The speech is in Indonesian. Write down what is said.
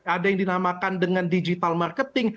ada yang dinamakan dengan digital marketing